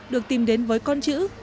được tìm đến với con chữ